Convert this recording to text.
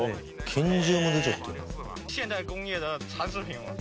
拳銃も出ちゃってるんだ。